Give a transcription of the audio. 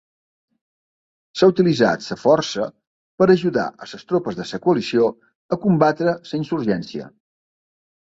S'ha utilitzat la força per ajudar a les tropes de la Coalició a combatre la insurgència.